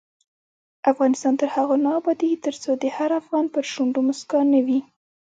افغانستان تر هغو نه ابادیږي، ترڅو د هر افغان پر شونډو مسکا نه وي.